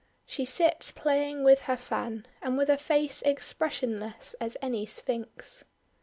She sits playing with her fan, and with a face expressionless as any sphinx.